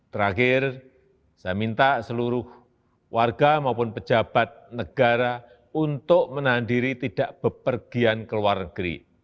terakhir saya minta seluruh warga maupun pejabat negara untuk menahan diri tidak bepergian ke luar negeri